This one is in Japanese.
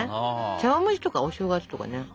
茶わん蒸しとかお正月とかね。